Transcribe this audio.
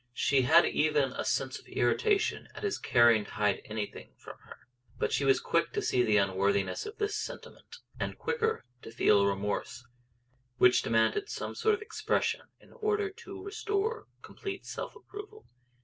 She had even a sense of irritation at his caring to hide anything from her, but she was quick to see the unworthiness of this sentiment, and quicker to feel a remorse which demanded some sort of expression in order to restore complete self approval.